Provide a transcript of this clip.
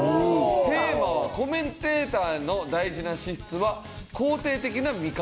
テーマは「コメンテーターの大事な資質は肯定的な見方